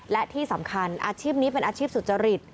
และที่สำคัญอาชีพนี้เป็นอาชีพสุจริต